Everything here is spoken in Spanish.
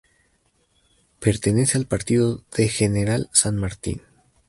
Pertenece al partido de General San Martín.